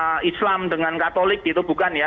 ini bukan agama islam dengan katolik gitu bukan ya